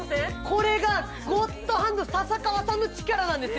これがゴッドハンド笹川さんの力です